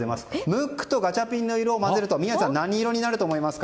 ムックとガチャピンの色を混ぜると何色になると思いますか。